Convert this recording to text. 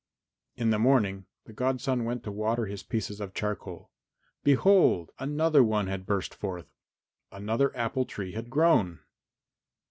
In the morning the godson went to water his pieces of charcoal. Behold! another one had burst forth, another apple tree had grown!